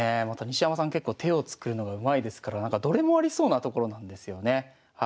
また西山さん結構手を作るのがうまいですからどれもありそうなところなんですよね。